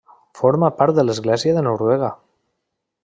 Forma part de l'Església de Noruega.